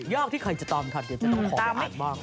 ยากที่ใครจะตามทันเดี๋ยวจะต้องขอบาทมาก